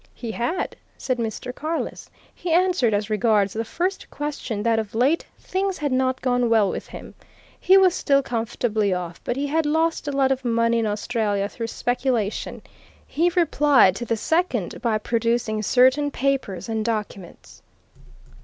"He had," said Mr. Carless. "He answered as regards the first question that of late things had not gone well with him. He was still comfortably off, but he had lost a lot of money in Australia through speculation. He replied to the second by producing certain papers and documents."